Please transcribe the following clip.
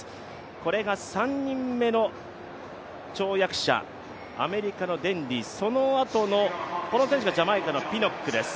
これが３人目の跳躍者、アメリカのデンディー、そのあとの、この選手がジャマイカのピノックです。